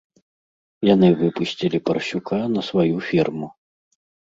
Яны выпусцілі парсюка на сваю ферму.